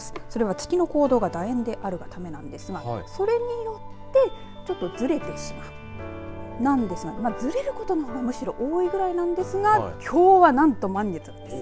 それは月の行動がだ円であるがためなんですがそれによってちょっとずれてしまうずれることのほうがむしろ多いくらいなんですがきょうは、なんと満月なんです。